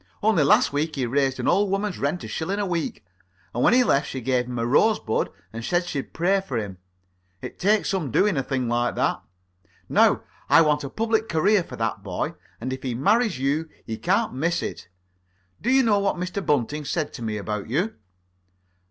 Only last week he raised an old woman's rent a shilling a week, and when he left she gave him a rosebud and said she'd pray for him. It takes some doing a thing like that. Now, I want a public career for that boy, and if he marries you he can't miss it. Do you know what Mr. Bunting said to me about you?